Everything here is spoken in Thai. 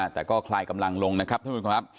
แต่ก็คลายกำลังลงนะครับ